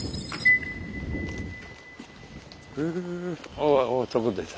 あそこです。